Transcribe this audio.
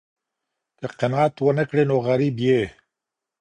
که قناعت ونه کړې نو غریب یې.